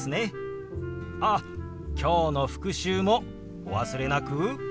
あっきょうの復習もお忘れなく。